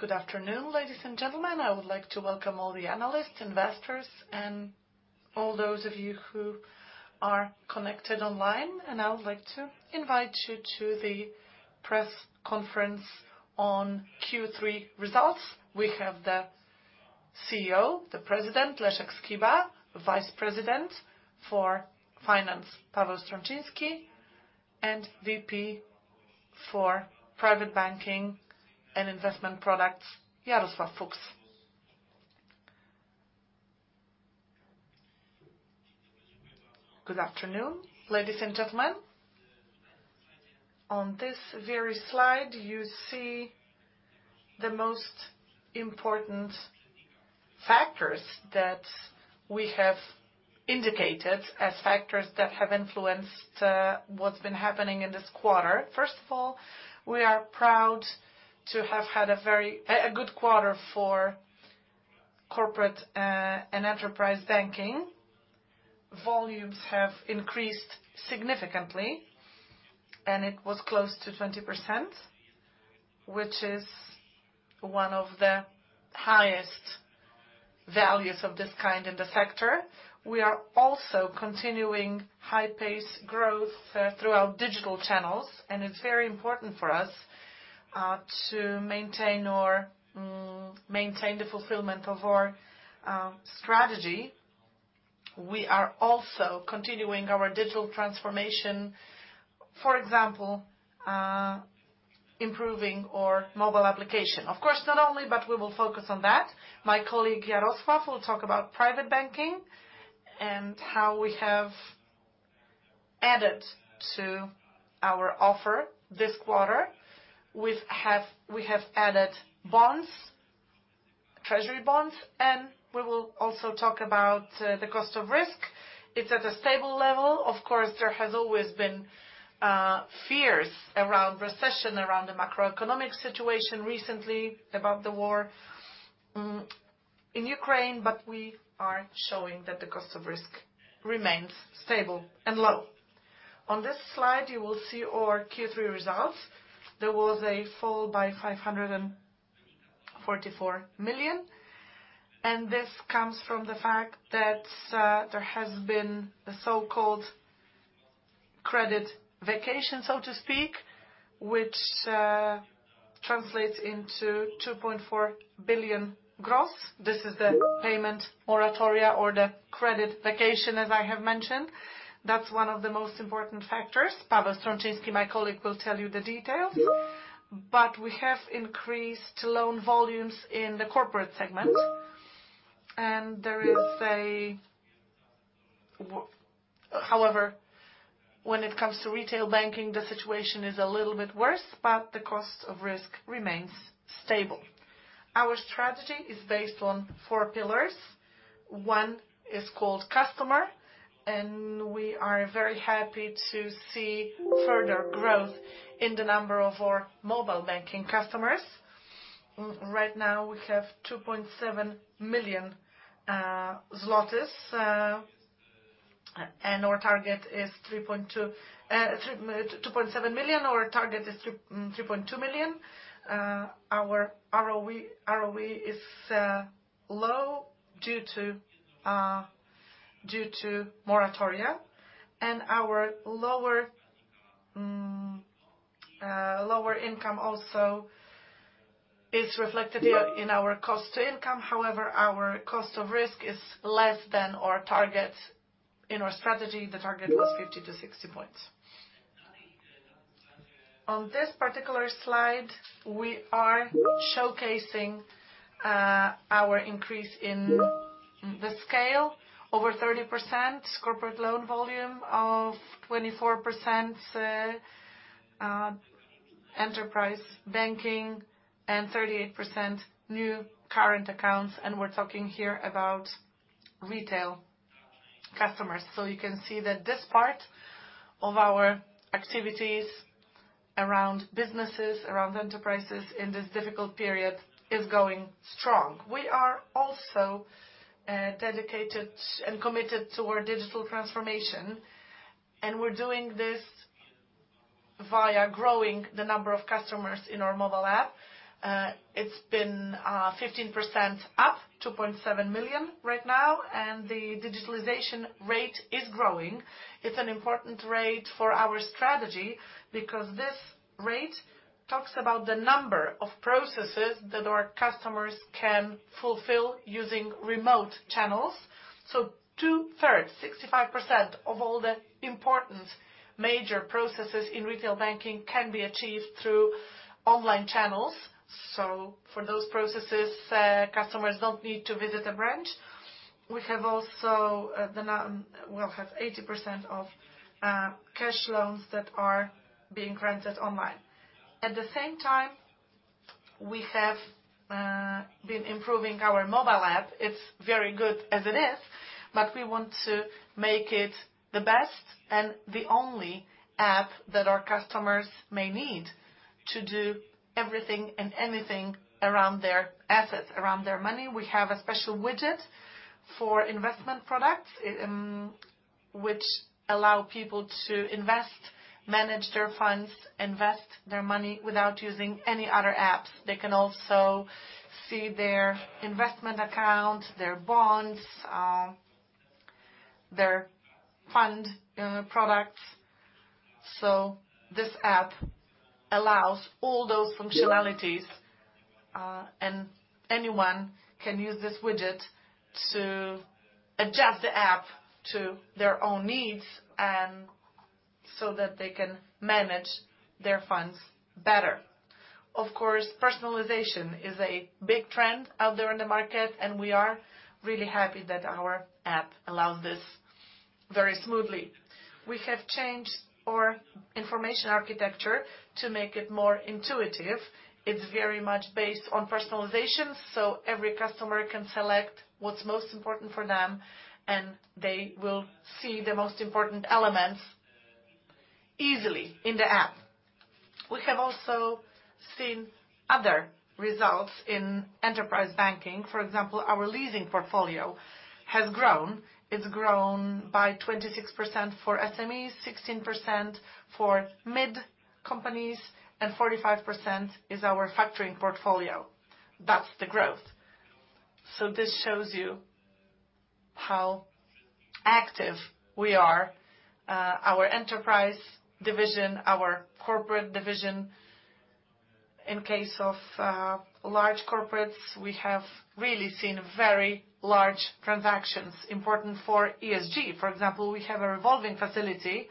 Good afternoon, ladies and gentlemen. I would like to welcome all the analysts, investors, and all those of you who are connected online, and I would like to invite you to the press conference on Q3 results. We have the CEO, the President, Leszek Skiba. Vice President for Finance, Paweł Strączyński, and VP for Private Banking and Investment Products, Jarosław Fuchs. Good afternoon, ladies and gentlemen. On this very slide, you see the most important factors that we have indicated as factors that have influenced what's been happening in this quarter. First of all, we are proud to have had a very good quarter for Corporate and Enterprise Banking. Volumes have increased significantly, and it was close to 20%, which is one of the highest values of this kind in the sector. We are also continuing high-paced growth through our digital channels, and it's very important for us to maintain the fulfillment of our strategy. We are also continuing our digital transformation, for example, improving our mobile application. Of course, not only, but we will focus on that. My colleague, Jarosław, will talk about private banking and how we have added to our offer this quarter. We have added bonds, treasury bonds, and we will also talk about the cost of risk. It's at a stable level. Of course, there has always been fears around recession, around the macroeconomic situation recently about the war in Ukraine, but we are showing that the cost of risk remains stable and low. On this slide, you will see our Q3 results. There was a fall by 544 million, and this comes from the fact that there has been a so-called credit vacation, so to speak, which translates into 2.4 billion gross. This is the payment moratoria or the credit vacation, as I have mentioned. That's one of the most important factors. Paweł Strączyński, my colleague, will tell you the details. We have increased loan volumes in the corporate segment. However, when it comes to retail banking, the situation is a little bit worse, but the cost of risk remains stable. Our strategy is based on four pillars. One is called customer, and we are very happy to see further growth in the number of our mobile banking customers. Right now, we have 2.7 million zlotys, and our target is 3.2 million. 2.7 million. Our target is 3.2 million. Our ROE is low due to moratoria. Our lower income also is reflected in our cost-to-income. However, our cost of risk is less than our target in our strategy. The target was 50-60 points. On this particular slide, we are showcasing our increase in the scale, over 30% corporate loan volume, 24% enterprise banking, and 38% new current accounts, and we're talking here about retail customers. You can see that this part of our activities around businesses, around enterprises in this difficult period is going strong. We are also dedicated and committed to our digital transformation, and we're doing this via growing the number of customers in our mobile app. It's been 15% up, 2.7 million right now, and the digitization rate is growing. It's an important rate for our strategy because this rate talks about the number of processes that our customers can fulfill using remote channels. Two-thirds, 65% of all the important major processes in retail banking can be achieved through online channels. For those processes, customers don't need to visit a branch. We have also, we'll have 80% of cash loans that are being granted online. At the same time, we have been improving our mobile app. It's very good as it is, but we want to make it the best and the only app that our customers may need to do everything and anything around their assets, around their money. We have a special widget for investment products, which allow people to invest, manage their funds, invest their money without using any other apps. They can also see their investment account, their bonds, their fund products. This app allows all those functionalities, and anyone can use this widget to adjust the app to their own needs and so that they can manage their funds better. Of course, personalization is a big trend out there in the market, and we are really happy that our app allows this very smoothly. We have changed our information architecture to make it more intuitive. It's very much based on personalization, so every customer can select what's most important for them, and they will see the most important elements easily in the app. We have also seen other results in Enterprise Banking. For example, our leasing portfolio has grown. It's grown by 26% for SMEs, 16% for mid companies, and 45% is our factoring portfolio. That's the growth. This shows you how active we are, our enterprise division, our corporate division. In case of large corporates, we have really seen very large transactions important for ESG. For example, we have a revolving facility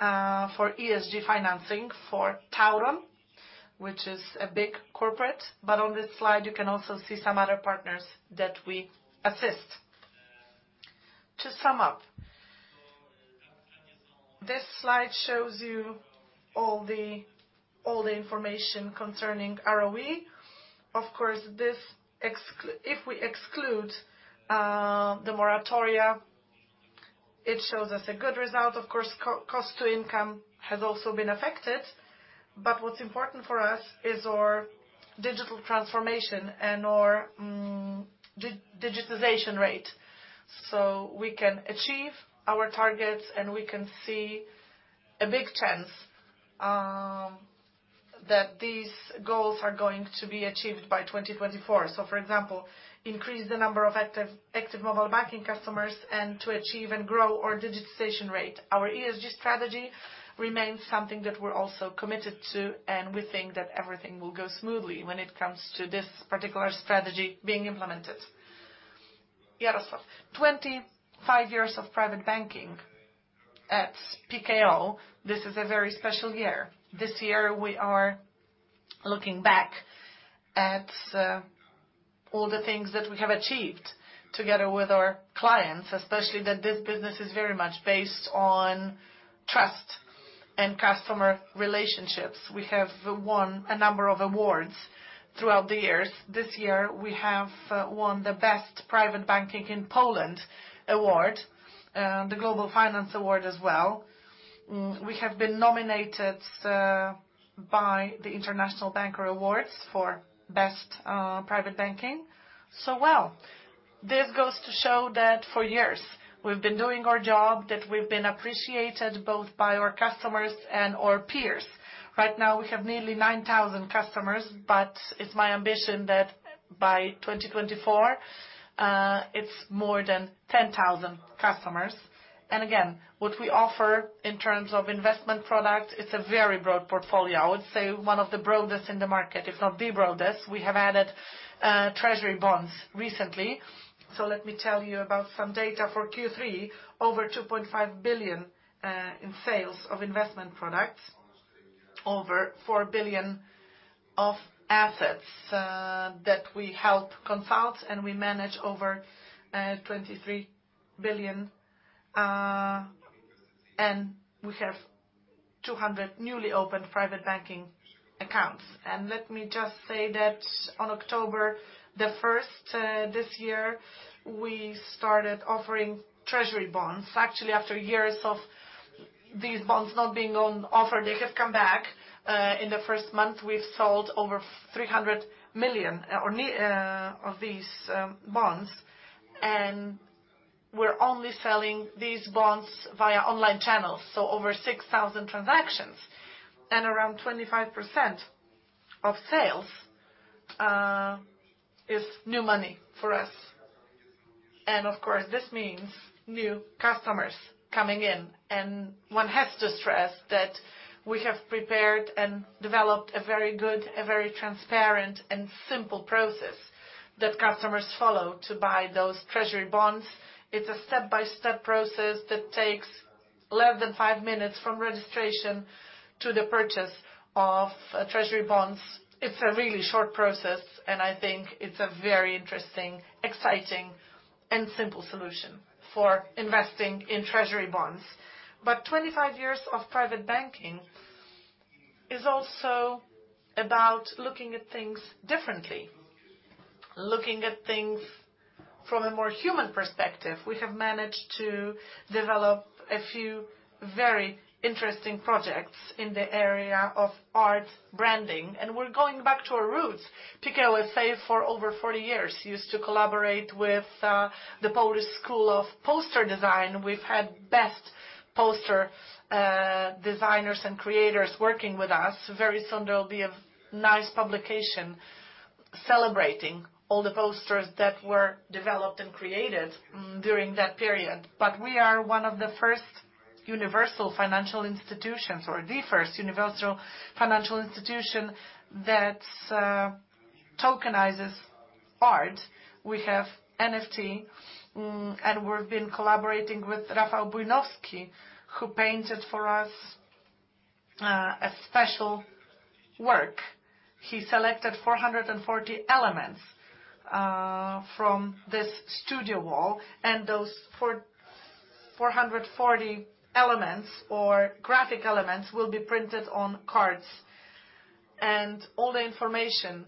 for ESG financing for TAURON, which is a big corporate. On this slide, you can also see some other partners that we assist. To sum up, this slide shows you all the information concerning ROE. Of course, if we exclude the moratoria, it shows us a good result. Of course, cost to income has also been affected. What's important for us is our digital transformation and our digitization rate, so we can achieve our targets, and we can see a big chance that these goals are going to be achieved by 2024. For example, increase the number of active mobile banking customers and to achieve and grow our digitization rate. Our ESG strategy remains something that we're also committed to, and we think that everything will go smoothly when it comes to this particular strategy being implemented. Jarosław, 25 years of private banking at Pekao, this is a very special year. This year, we are looking back at all the things that we have achieved together with our clients, especially that this business is very much based on trust and customer relationships. We have won a number of awards throughout the years. This year, we have won the Best Private Banking in Poland award, the Global Finance Award as well. We have been nominated by the International Banker Awards for Best Private Banking. Well, this goes to show that for years, we've been doing our job, that we've been appreciated both by our customers and our peers. Right now, we have nearly 9,000 customers, but it's my ambition that by 2024, it's more than 10,000 customers. Again, what we offer in terms of investment product, it's a very broad portfolio. I would say one of the broadest in the market, if not the broadest. We have added treasury bonds recently. Let me tell you about some data for Q3, over 2.5 billion in sales of investment products, over 4 billion of assets that we help consult, and we manage over 23 billion, and we have 200 newly opened private banking accounts. Let me just say that on October 1st this year, we started offering treasury bonds. Actually, after years of these bonds not being on offer, they have come back. In the first month, we've sold over 300 million or nearly of these bonds, and we're only selling these bonds via online channels, so over 6,000 transactions. Around 25% of sales is new money for us. Of course, this means new customers coming in. One has to stress that we have prepared and developed a very good, a very transparent and simple process that customers follow to buy those treasury bonds. It's a step-by-step process that takes less than five minutes from registration to the purchase of treasury bonds. It's a really short process, and I think it's a very interesting, exciting, and simple solution for investing in treasury bonds. 25 years of private banking is also about looking at things differently. Looking at things from a more human perspective, we have managed to develop a few very interesting projects in the area of art branding, and we're going back to our roots. Pekao, let's say, for over 40 years, used to collaborate with the Polish School of Poster Design. We've had best poster designers and creators working with us. Very soon there will be a nice publication celebrating all the posters that were developed and created during that period. We are one of the first universal financial institutions, or the first universal financial institution that tokenizes art. We have NFT, and we've been collaborating with Rafał Bujnowski, who painted for us a special work. He selected 440 elements from this studio wall, and those 440 elements or graphic elements will be printed on cards. All the information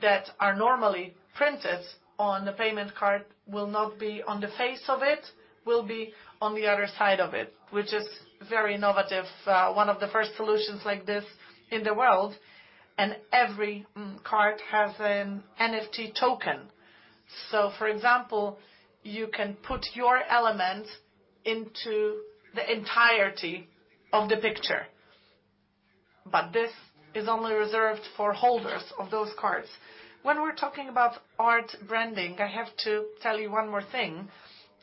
that are normally printed on the payment card will not be on the face of it, will be on the other side of it, which is very innovative, one of the first solutions like this in the world. Every card has an NFT token. For example, you can put your element into the entirety of the picture. This is only reserved for holders of those cards. When we're talking about art branding, I have to tell you one more thing.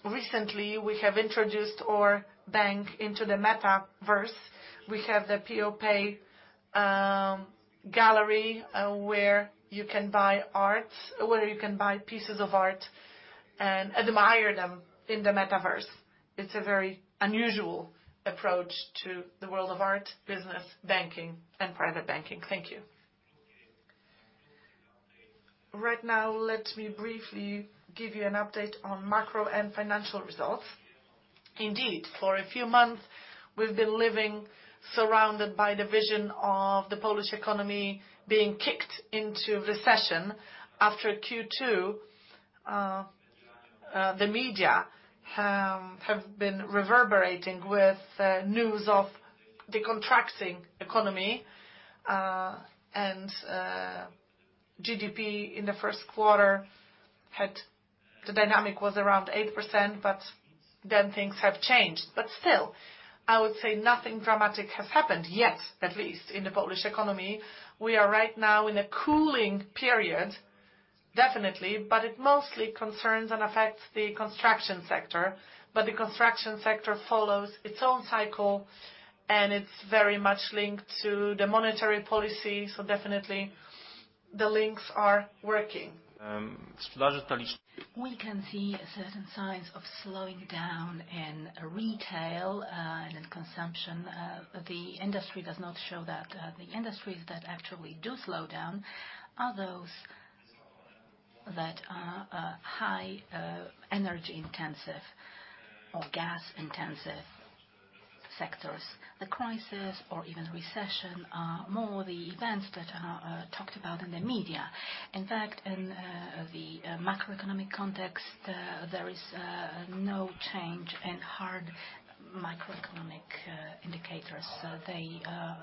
Recently, we have introduced our bank into the metaverse. We have the PeoPay gallery, where you can buy art, where you can buy pieces of art and admire them in the metaverse. It's a very unusual approach to the world of art, business, banking, and private banking. Thank you. Right now, let me briefly give you an update on macro and financial results. Indeed, for a few months, we've been living surrounded by the vision of the Polish economy being kicked into recession. After Q2, the media have been reverberating with news of the contracting economy, and GDP in the first quarter had the dynamic was around 8%, but then things have changed. Still, I would say nothing dramatic has happened yet, at least in the Polish economy. We are right now in a cooling period, definitely, but it mostly concerns and affects the construction sector. The construction sector follows its own cycle, and it's very much linked to the monetary policy. Definitely the links are working. We can see certain signs of slowing down in retail and in consumption. The industry does not show that. The industries that actually do slow down are those that are high energy-intensive or gas-intensive sectors. The crisis or even recession are more the events that are talked about in the media. In fact, in the macroeconomic context, there is no change in hard microeconomic indicators. They are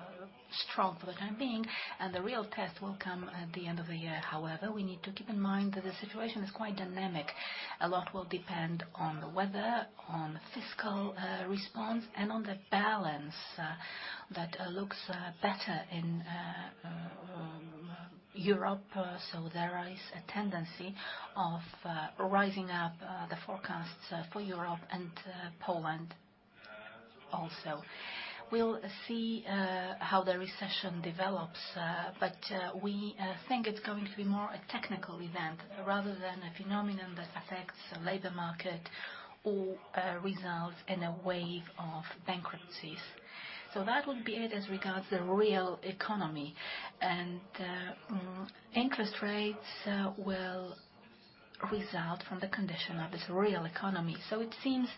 strong for the time being, and the real test will come at the end of the year. However, we need to keep in mind that the situation is quite dynamic. A lot will depend on the weather, on fiscal response, and on the balance that looks better in Europe. There is a tendency of raising the forecasts for Europe and Poland also. We'll see how the recession develops, but we think it's going to be more a technical event rather than a phenomenon that affects the labor market or results in a wave of bankruptcies. That would be it as regards the real economy. Interest rates will result from the condition of this real economy. It seems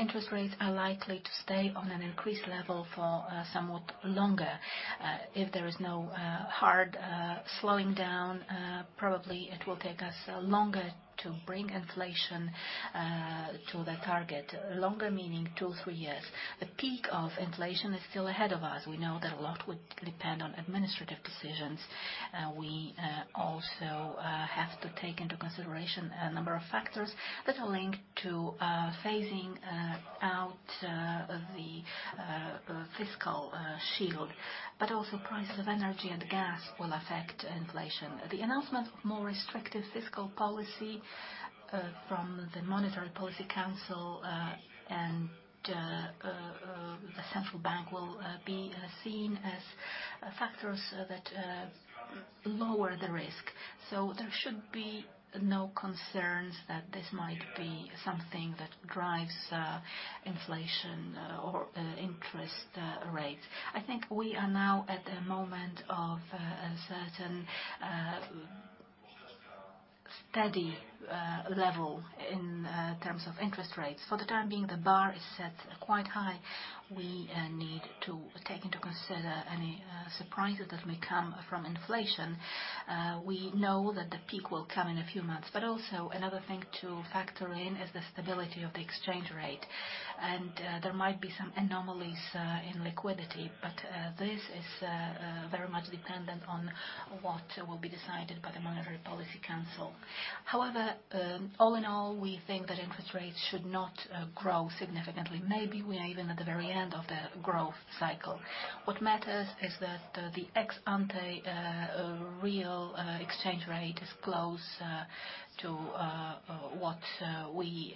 interest rates are likely to stay on an increased level for somewhat longer. If there is no hard slowing down, probably it will take us longer to bring inflation to the target. Longer meaning two, three years. The peak of inflation is still ahead of us. We know that a lot would depend on administrative decisions. We also have to take into consideration a number of factors that are linked to phasing out the fiscal shield. Prices of energy and gas will affect inflation. The announcement of more restrictive fiscal policy from the Monetary Policy Council and the Central Bank will be seen as factors that lower the risk. There should be no concerns that this might be something that drives inflation or interest rates. I think we are now at the moment of a certain steady level in terms of interest rates. For the time being, the bar is set quite high. We need to take into consideration any surprises that may come from inflation. We know that the peak will come in a few months. Also another thing to factor in is the stability of the exchange rate. There might be some anomalies in liquidity, but this is very much dependent on what will be decided by the Monetary Policy Council. However, all in all, we think that interest rates should not grow significantly. Maybe we are even at the very end of the growth cycle. What matters is that the ex-ante real exchange rate is close to what we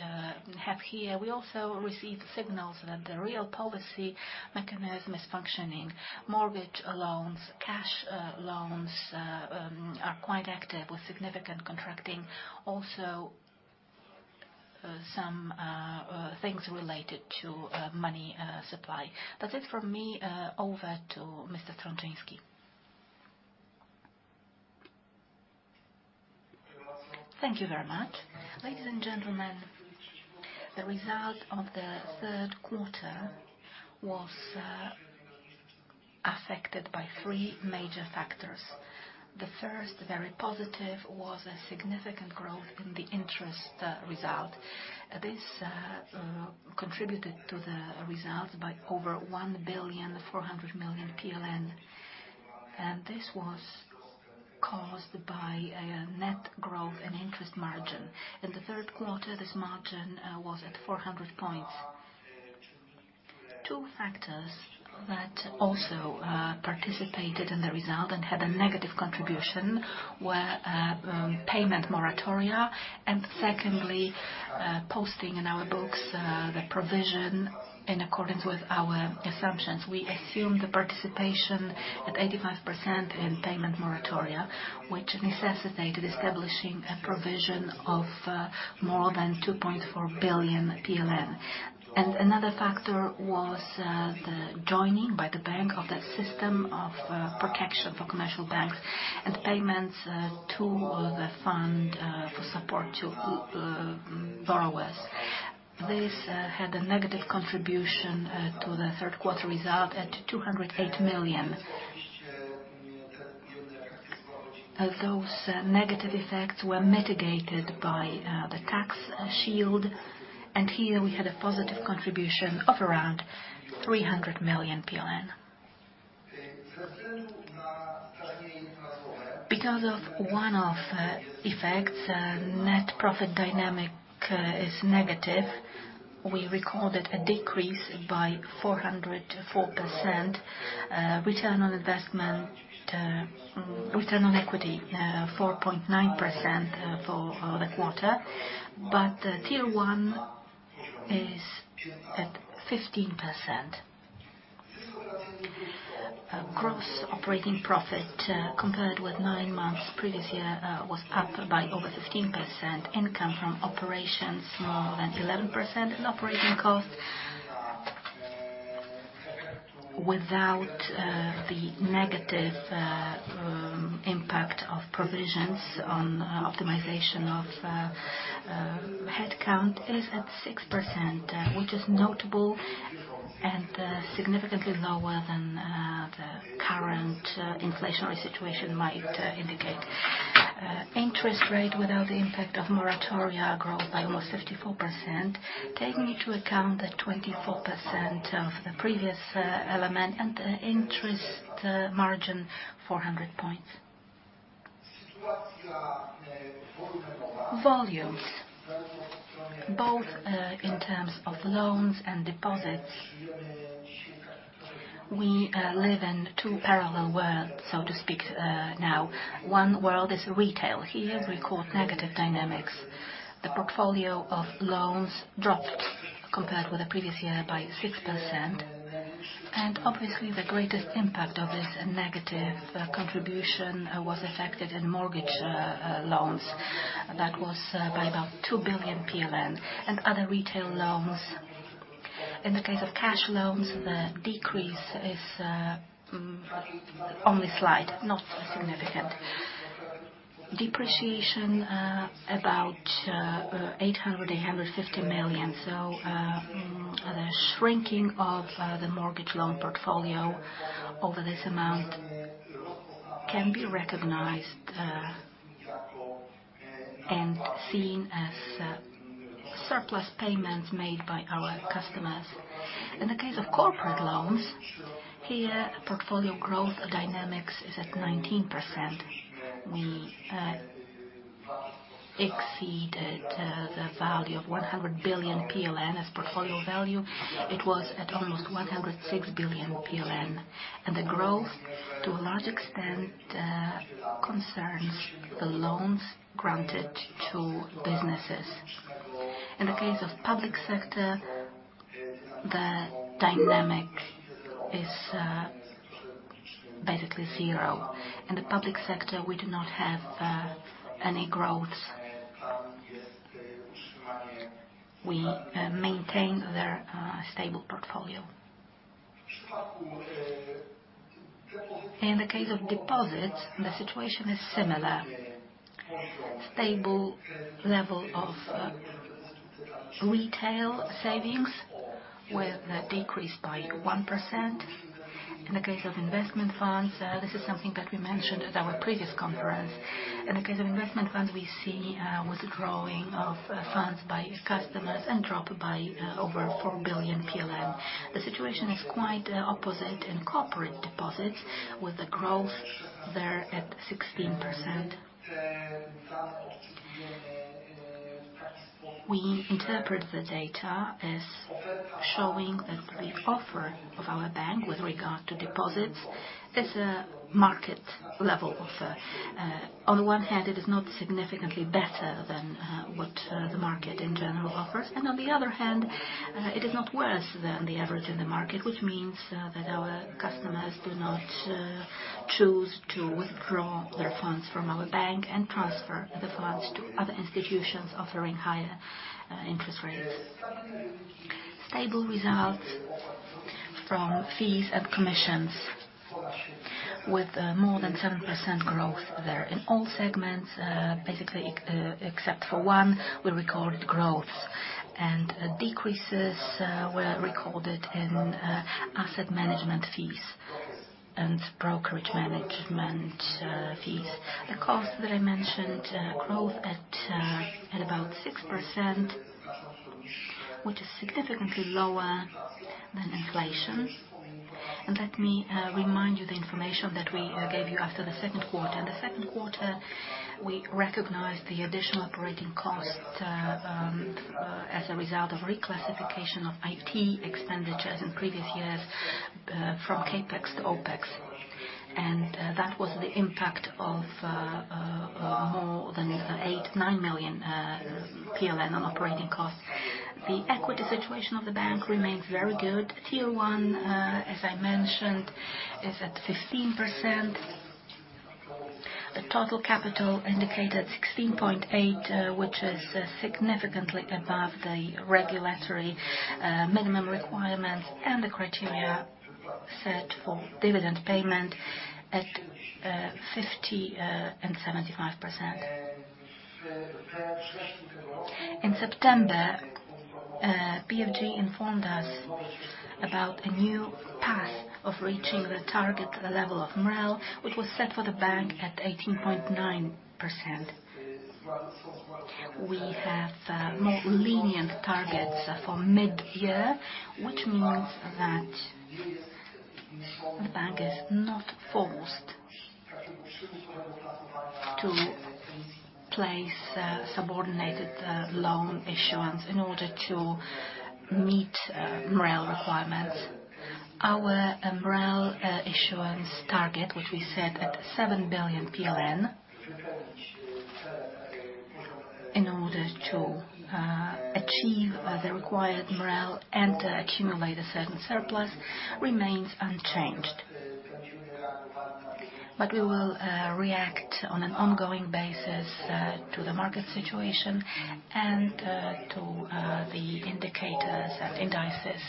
have here. We also received signals that the real policy mechanism is functioning. Mortgage loans, cash loans are quite active with significant contracting. Also, some things related to money supply. That's it from me over to Mr. Strączyński. Thank you very much. Ladies and gentlemen, the result of the third quarter was affected by three major factors. The first, very positive, was a significant growth in the interest result. This contributed to the results by over 1.4 billion, and this was caused by a net growth in interest margin. In the third quarter, this margin was at 400 points. Two factors that also participated in the result and had a negative contribution were payment moratoria, and secondly, posting in our books the provision in accordance with our assumptions. We assumed the participation at 85% in payment moratoria, which necessitated establishing a provision of more than 2.4 billion PLN. Another factor was the joining by the bank of the system of protection for commercial banks and payments to the fund for support to borrowers. This had a negative contribution to the third quarter result at 208 million. Those negative effects were mitigated by the tax shield, and here we had a positive contribution of around 300 million PLN. Because of one-off effects, net profit dynamic is negative. We recorded a decrease by 404%, return on equity 4.9% for the quarter, but Tier 1 is at 15%. Gross operating profit, compared with nine months previous year, was up by over 15%, income from operations more than 11% in operating costs. Without the negative impact of provisions on optimization of headcount is at 6%, which is notable and significantly lower than the current inflationary situation might indicate. Interest rate without the impact of moratoria growth by almost 54%, taking into account the 24% of the previous element and interest margin 400 points. Volumes, both in terms of loans and deposits. We live in two parallel worlds, so to speak, now. One world is retail. Here we record negative dynamics. The portfolio of loans dropped compared with the previous year by 6%. Obviously the greatest impact of this negative contribution was affected in mortgage loans. That was by about 2 billion PLN, and other retail loans. In the case of cash loans, the decrease is only slight, not significant. Depreciation about 850 million. The shrinking of the mortgage loan portfolio over this amount can be recognized and seen as surplus payments made by our customers. In the case of corporate loans, the portfolio growth dynamics is at 19%. We exceeded the value of 100 billion PLN as portfolio value. It was at almost 106 billion PLN, and the growth, to a large extent, concerns the loans granted to businesses. In the case of public sector, the dynamic is basically zero. In the public sector, we do not have any growth. We maintain their stable portfolio. In the case of deposits, the situation is similar. Stable level of retail savings with a decrease by 1%. In the case of investment funds, this is something that we mentioned at our previous conference. In the case of investment funds, we see withdrawing of funds by customers and drop by over 4 billion. The situation is quite opposite in corporate deposits with the growth there at 16%. We interpret the data as showing that the offer of our bank with regard to deposits is a market level of. On one hand, it is not significantly better than what the market in general offers, and on the other hand, it is not worse than the average in the market, which means that our customers do not choose to withdraw their funds from our bank and transfer the funds to other institutions offering higher interest rates. Stable results from fees and commissions with more than 7% growth there. In all segments, basically except for one, we recorded growth, and decreases were recorded in asset management fees and brokerage management fees. The cost that I mentioned, growth at about 6%, which is significantly lower than inflation. Let me remind you the information that we gave you after the second quarter. In the second quarter, we recognized the additional operating cost as a result of reclassification of IT expenditures in previous years from CapEx to OpEx. That was the impact of more than 8 million-9 million PLN on operating costs. The equity situation of the bank remains very good. Tier 1, as I mentioned, is at 15%. The total capital indicated 16.8%, which is significantly above the regulatory minimum requirements and the criteria set for dividend payment at 50% and 75%. In September, BFG informed us about a new path of reaching the target, the level of MREL, which was set for the bank at 18.9%. We have more lenient targets for mid-year, which means that the bank is not forced to place subordinated loan issuance in order to meet MREL requirements. Our MREL issuance target, which we set at 7 billion PLN in order to achieve the required MREL and to accumulate a certain surplus, remains unchanged. We will react on an ongoing basis to the market situation and to the indicators and indices.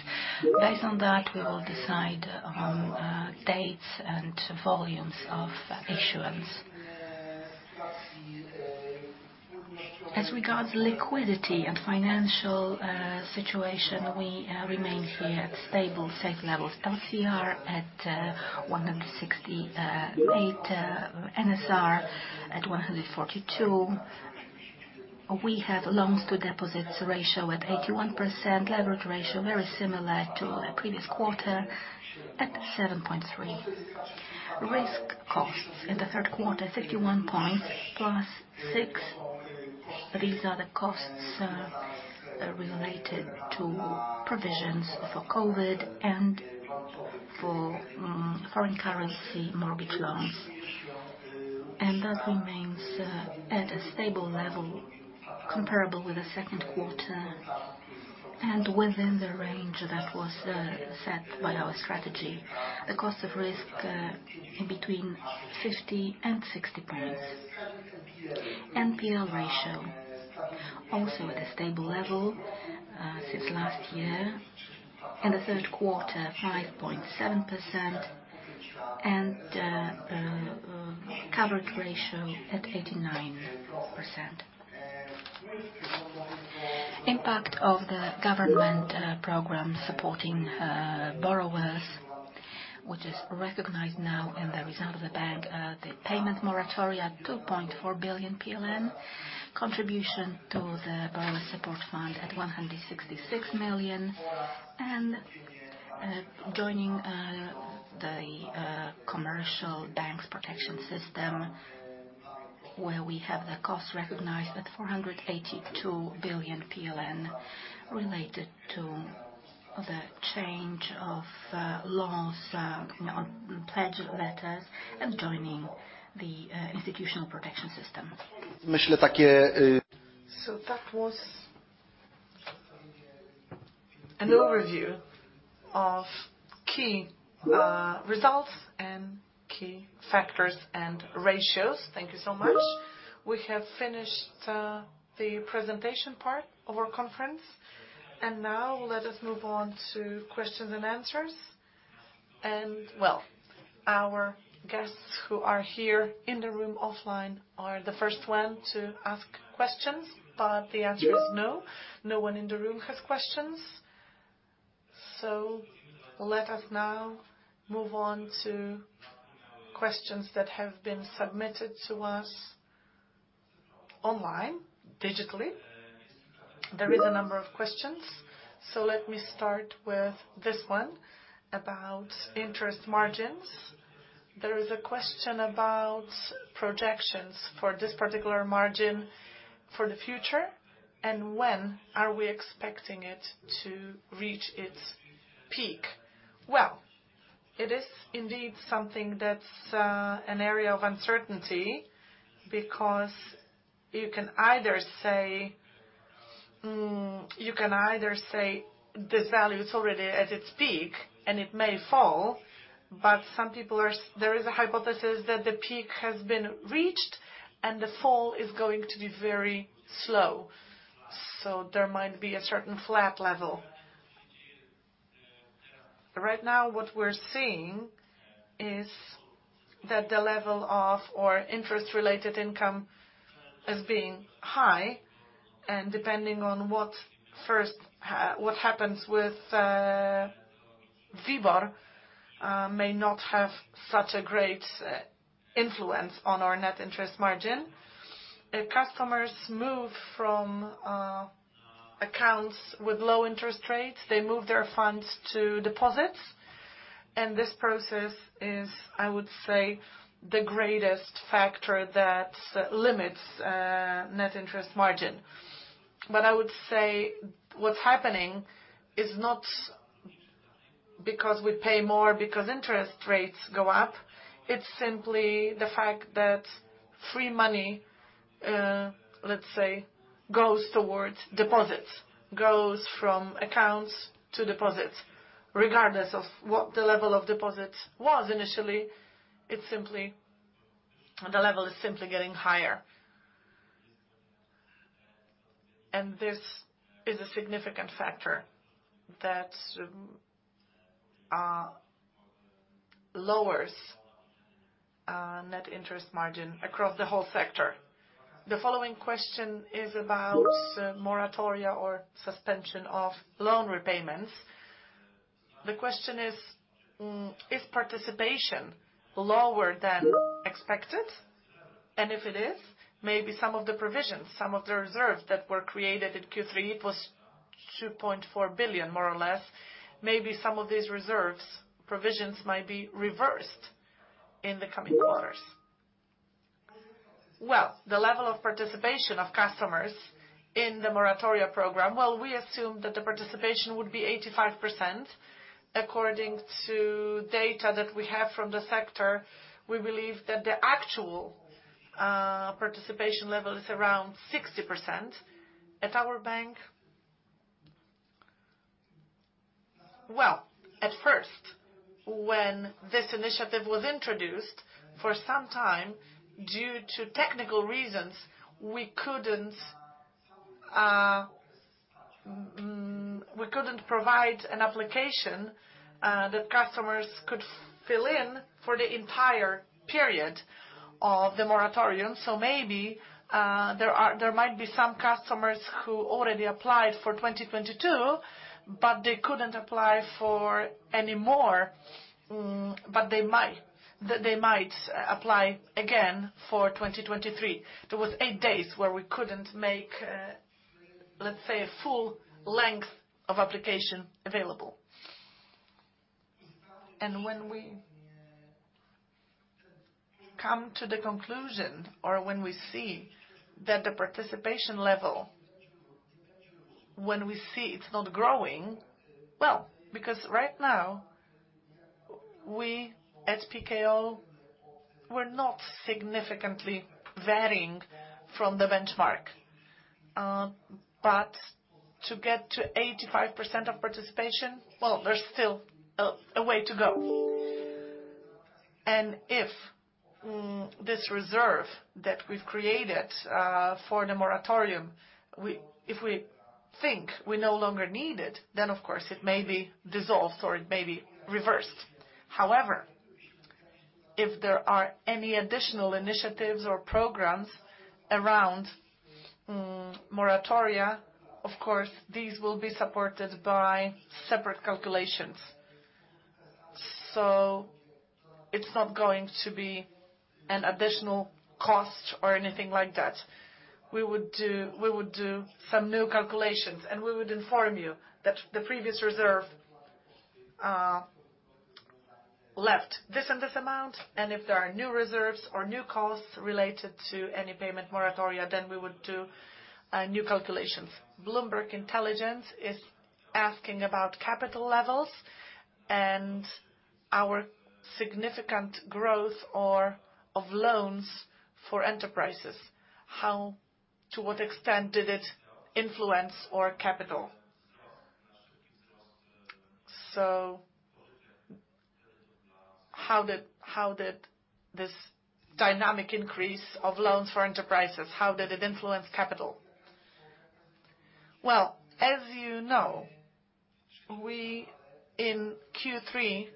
Based on that, we will decide on dates and volumes of issuance. As regards liquidity and financial situation, we remain here at stable, safe levels. LCR at 168%, NSFR at 142%. We have loans-to-deposits ratio at 81%. Leverage ratio very similar to our previous quarter at 7.3%. Risk costs in the third quarter, 51 points plus six. These are the costs related to provisions for COVID and for foreign currency mortgage loans. That remains at a stable level comparable with the second quarter and within the range that was set by our strategy. The cost of risk between 50 points and 60 points. NPL ratio also at a stable level since last year. In the third quarter, 5.7% and coverage ratio at 89%. Impact of the government program supporting borrowers, which is recognized now in the result of the bank, the payment moratoria at 2.4 billion PLN. Contribution to the Borrowers Support Fund at 166 million. Joining the commercial banks protection system, where we have the costs recognized at 482 million PLN related to the change of laws on pledge letters and joining the institutional protection system. That was an overview of key results and key factors and ratios. Thank you so much. We have finished the presentation part of our conference, and now let us move on to questions and answers. Well, our guests who are here in the room offline are the first one to ask questions, but the answer is no one in the room has questions. Let us now move on to questions that have been submitted to us online, digitally. There is a number of questions, so let me start with this one about interest margins. There is a question about projections for this particular margin for the future, and when are we expecting it to reach its peak? Well, it is indeed something that's an area of uncertainty, because you can either say this value is already at its peak and it may fall, but there is a hypothesis that the peak has been reached and the fall is going to be very slow. There might be a certain flat level. Right now, what we're seeing is that the level of interest-related income is being high, and depending on what happens with WIBOR may not have such a great influence on our net interest margin. If customers move from accounts with low interest rates, they move their funds to deposits, and this process is, I would say, the greatest factor that limits net interest margin. I would say what's happening is not because we pay more because interest rates go up, it's simply the fact that free money, let's say, goes towards deposits, goes from accounts to deposits. Regardless of what the level of deposits was initially, it's simply the level is simply getting higher. This is a significant factor that lowers net interest margin across the whole sector. The following question is about moratoria or suspension of loan repayments. The question is participation lower than expected? If it is, maybe some of the provisions, some of the reserves that were created in Q3, it was 2.4 billion, more or less. Maybe some of these reserves, provisions might be reversed in the coming quarters. Well, the level of participation of customers in the moratoria program. Well, we assumed that the participation would be 85%. According to data that we have from the sector, we believe that the actual participation level is around 60%. At our bank. Well, at first, when this initiative was introduced, for some time, due to technical reasons, we couldn't provide an application that customers could fill in for the entire period of the moratorium. So maybe there might be some customers who already applied for 2022, but they couldn't apply for any more. But they might apply again for 2023. There was eight days where we couldn't make, let's say, a full length of application available. When we come to the conclusion or when we see that the participation level, when we see it's not growing. Well, because right now, we at Pekao, we're not significantly varying from the benchmark. To get to 85% of participation, well, there's still a way to go. If this reserve that we've created for the moratorium, if we think we no longer need it, then of course it may be dissolved or it may be reversed. However, if there are any additional initiatives or programs around moratoria, of course, these will be supported by separate calculations. It's not going to be an additional cost or anything like that. We would do some new calculations, and we would inform you that the previous reserve left this and this amount, and if there are new reserves or new costs related to any payment moratoria, then we would do new calculations. Bloomberg Intelligence is asking about capital levels and our significant growth of loans for enterprises. To what extent did it influence our capital? How did this dynamic increase of loans for enterprises? How did it influence capital? Well, as you know, we in Q3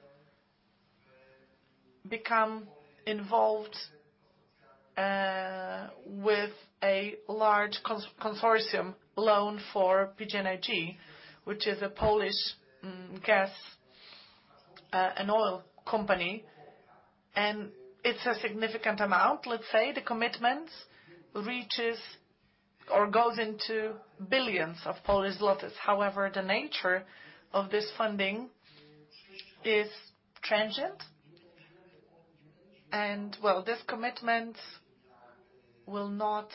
became involved with a large consortium loan for PGNiG, which is a Polish gas and oil company. It's a significant amount. Let's say the commitment reaches or goes into billions of Polish zlotys. However, the nature of this funding is transient. To us, this commitment will not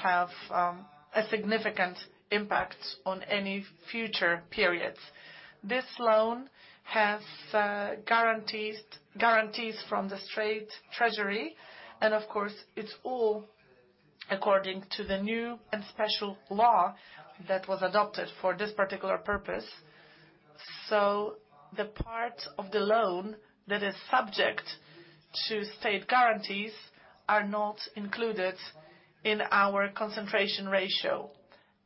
have a significant impact on any future periods. This loan has guarantees from the state treasury. Of course, it's all according to the new and special law that was adopted for this particular purpose. The part of the loan that is subject to state guarantees are not included in our concentration ratio.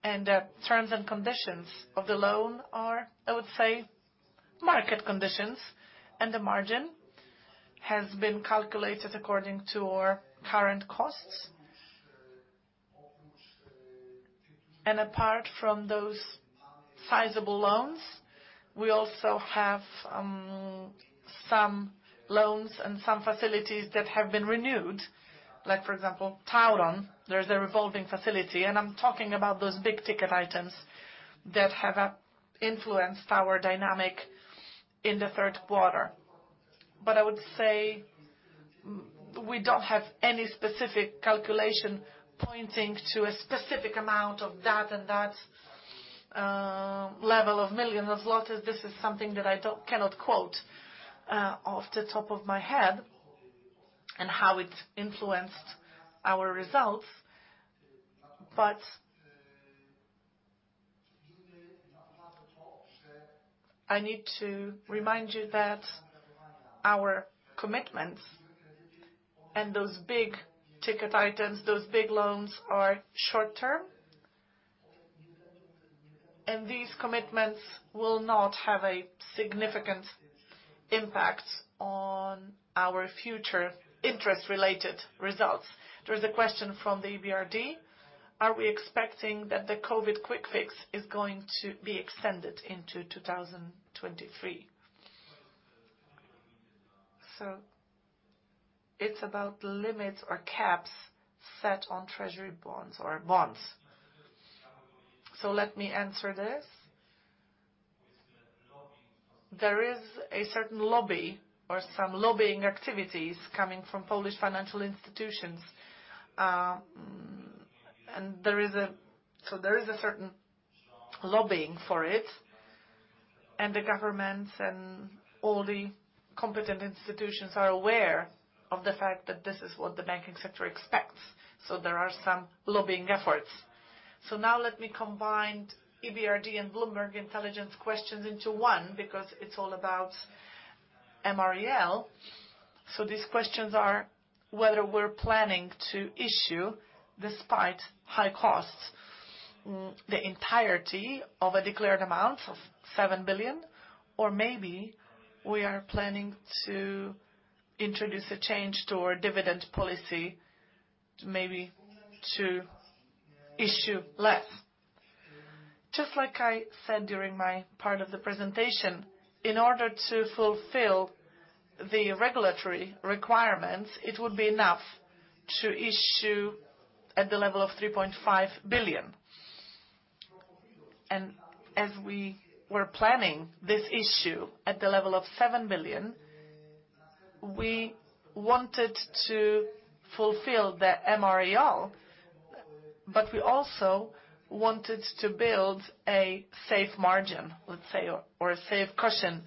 The terms and conditions of the loan are, I would say, market conditions, and the margin has been calculated according to our current costs. Apart from those sizable loans, we also have some loans and some facilities that have been renewed, like for example, TAURON. There's a revolving facility, and I'm talking about those big-ticket items that have influenced our dynamic in the third quarter. I would say we don't have any specific calculation pointing to a specific amount of that and that level of million of zlotys. This is something that I cannot quote off the top of my head and how it's influenced our results. I need to remind you that our commitments and those big-ticket items, those big loans are short-term. These commitments will not have a significant impact on our future interest-related results. There is a question from the EBRD. Are we expecting that the COVID quick fix is going to be extended into 2023? It's about limits or caps set on treasury bonds or bonds. Let me answer this. There is a certain lobby or some lobbying activities coming from Polish financial institutions. There is a certain lobbying for it. The government and all the competent institutions are aware of the fact that this is what the banking sector expects. There are some lobbying efforts. Now let me combine EBRD and Bloomberg Intelligence questions into one because it's all about MREL. These questions are whether we're planning to issue despite high costs, the entirety of a declared amount of 7 billion, or maybe we are planning to introduce a change to our dividend policy, maybe to issue less. Just like I said during my part of the presentation, in order to fulfill the regulatory requirements, it would be enough to issue at the level of 3.5 billion. As we were planning this issue at the level of 7 billion, we wanted to fulfill the MREL, but we also wanted to build a safe margin, let's say, or a safe cushion.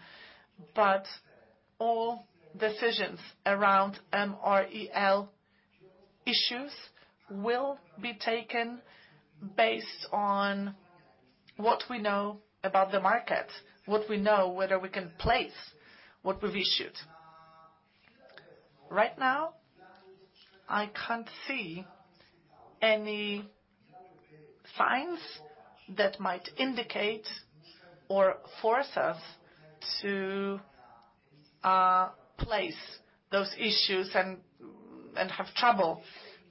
All decisions around MREL issues will be taken based on what we know about the market, whether we can place what we've issued. Right now, I can't see any signs that might indicate or force us to place those issues and have trouble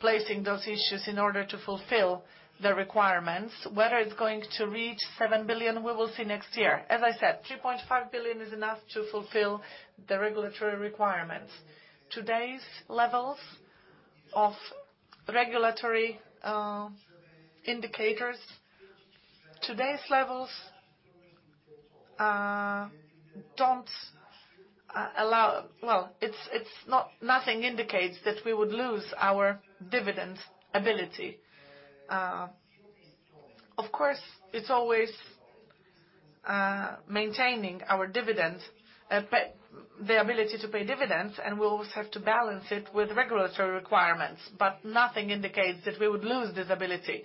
placing those issues in order to fulfill the requirements. Whether it's going to reach 7 billion, we will see next year. As I said, 3.5 billion is enough to fulfill the regulatory requirements. Today's levels of regulatory indicators don't. Nothing indicates that we would lose our dividend ability. Of course, it's always maintaining our dividend, the ability to pay dividends, and we'll also have to balance it with regulatory requirements. Nothing indicates that we would lose this ability.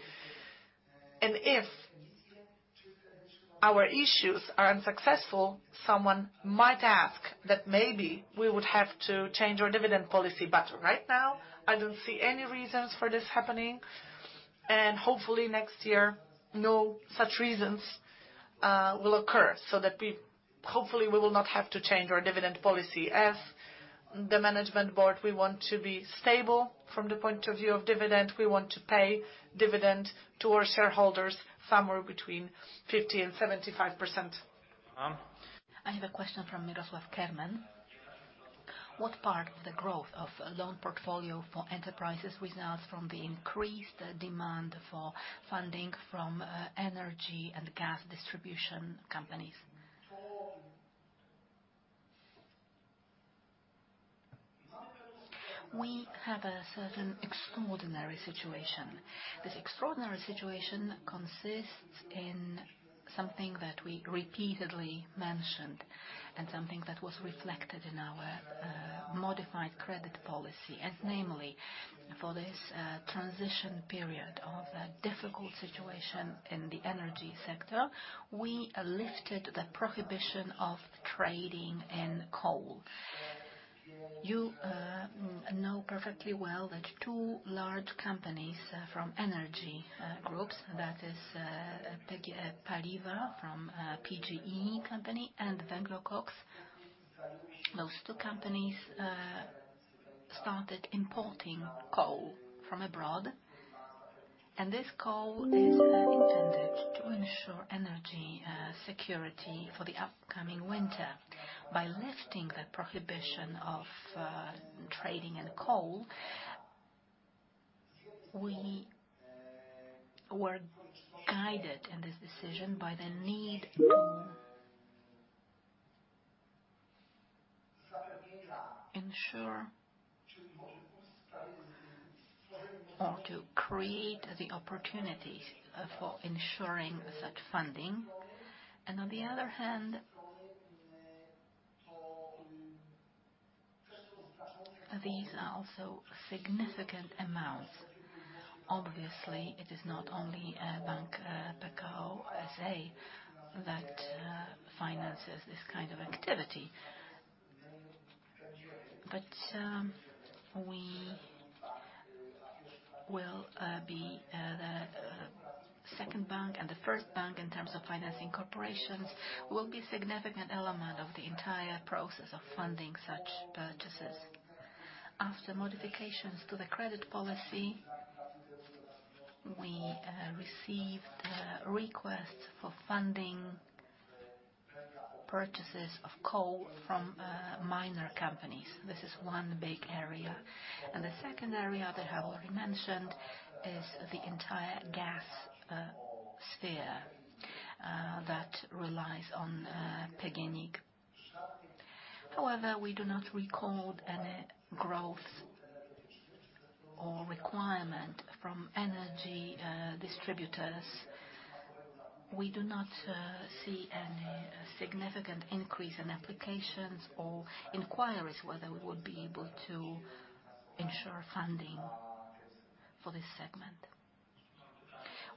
If our issues are unsuccessful, someone might ask that maybe we would have to change our dividend policy. Right now, I don't see any reasons for this happening. Hopefully, next year, no such reasons will occur, so that hopefully, we will not have to change our dividend policy. As the management board, we want to be stable from the point of view of dividend. We want to pay dividend to our shareholders somewhere between 50% and 75%. I have a question from [Mirosław Kermen]. What part of the growth of loan portfolio for enterprises results from the increased demand for funding from, energy and gas distribution companies? We have a certain extraordinary situation. This extraordinary situation consists in something that we repeatedly mentioned and something that was reflected in our modified credit policy. Namely, for this transition period of a difficult situation in the energy sector, we lifted the prohibition of trading in coal. You know perfectly well that two large companies from energy groups, that is, PGE Paliwa from PGE company and Węglokoks, those two companies started importing coal from abroad, and this coal is intended to ensure energy security for the upcoming winter. By lifting the prohibition of trading in coal, we were guided in this decision by the need to ensure or to create the opportunities for ensuring such funding. On the other hand, these are also significant amounts. Obviously, it is not only Bank Pekao S.A. that finances this kind of activity. We will be the second bank and the first bank in terms of financing corporations will be significant element of the entire process of funding such purchases. After modifications to the credit policy, we received requests for funding purchases of coal from mining companies. This is one big area. The second area that I've already mentioned is the entire gas sphere that relies on PGNiG. However, we do not recall any growth or requirement from energy distributors. We do not see any significant increase in applications or inquiries whether we would be able to ensure funding for this segment.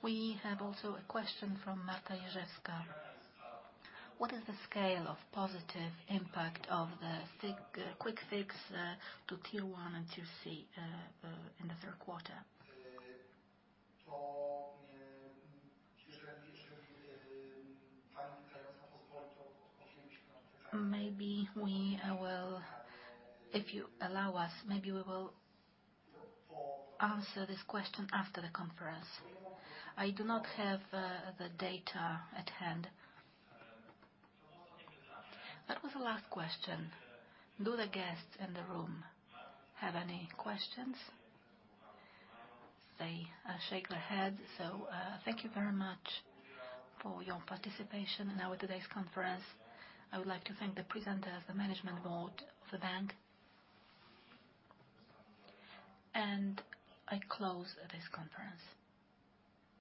We have also a question from Marta Czajkowska-Bałdyga. What is the scale of positive impact of the quick fix to Tier 1 and Tier 3 in the third quarter? Maybe we will. If you allow us, maybe we will answer this question after the conference. I do not have the data at hand. That was the last question. Do the guests in the room have any questions? They shake their heads. Thank you very much for your participation in our today's conference. I would like to thank the presenters, the management board of the bank. I close this conference.